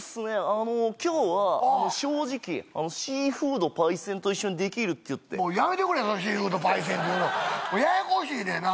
あの今日は正直シーフードパイセンと一緒にできるっていってもうやめてくれシーフードパイセンって言うのややこしいねんな